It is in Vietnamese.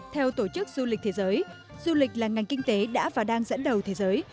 theo tổ chức du lịch thế giới du lịch là ngành kinh tế đã và đang dẫn đầu thế giới